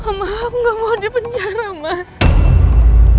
sama aku gak mau di penjara mbak